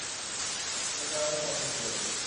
তোর কারনে সবকিছু হয়েছে!